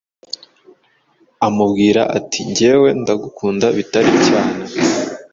amubwira ati ngewe ndagukunda bitari cyane